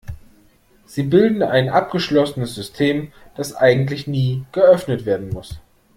Sie bilden ein abgeschlossenes System, das eigentlich nie geöffnet werden muss.